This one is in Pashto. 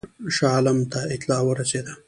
شاه عالم ته اطلاع ورسېده.